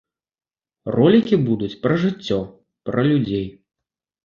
Ролікі будуць пра жыццё, пра людзей.